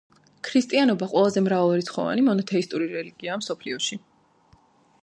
ქრისტიანობა ყველაზე მრავალრიცხოვანი მონოთეისტური რელიგიაა მსოფლიოში.